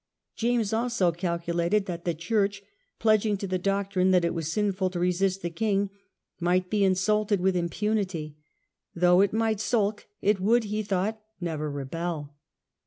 James also calculated that the church, pledged to the doctrine that it was sinful to resist the king, might be insulted with impunity; though it might sulk it would, he thought, never rebel.